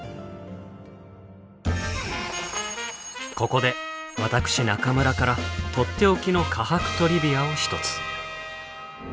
ここで私中村からとっておきの科博トリビアを一つ。